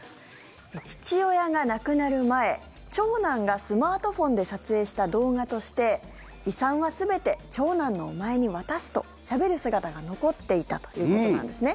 父親が亡くなる前長男がスマートフォンで撮影した動画として遺産は全て長男のお前に渡すとしゃべる姿が残っていたということなんですね。